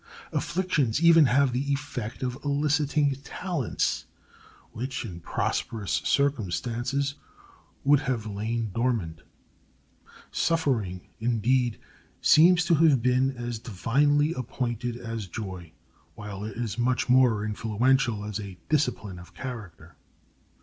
Afflictions even have the effect of eliciting talents which, in prosperous circumstances, would have lain dormant. Suffering, indeed, seems to have been as divinely appointed as joy, while it is much more influential as a discipline of character.